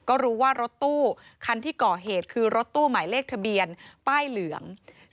ก็รู้ว่ารถตู้คันที่ก่อเหตุคือรถตู้หมายเลขทะเบียนป้ายเหลือง